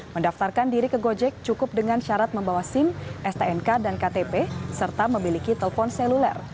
mendaftarkan diri ke gojek cukup dengan syarat membawa sim stnk dan ktp serta memiliki telepon seluler